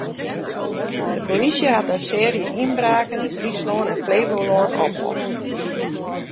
De polysje hat in searje ynbraken yn Fryslân en Flevolân oplost.